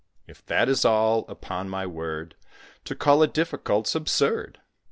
If that is all, upon my word, To call it difficult 's absurd."